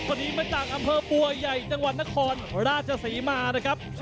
คนนี้มาจากอำเภอบัวใหญ่จังหวัดนครราชศรีมานะครับ